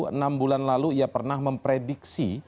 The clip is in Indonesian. enam bulan lalu ia pernah memprediksi